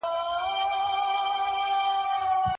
که حکومت نه وي په ټولنه کي به ګډوډي رامنځته سي.